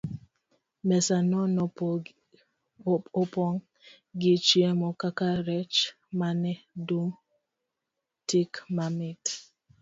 Mesa no nopong' gi chiemo kaka rech mane dum tik mamit.